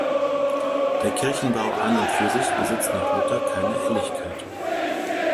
Der Kirchenbau an und für sich besitzt nach Luther keine Heiligkeit.